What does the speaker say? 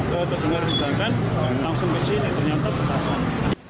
begitu terdengar di jalan kan langsung ke sini ternyata petasan